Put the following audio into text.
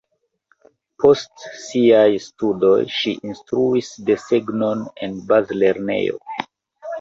Post siaj studoj ŝi insrtruis desegnon en bazlernejo.